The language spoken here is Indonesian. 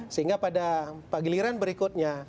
sehingga pada giliran berikutnya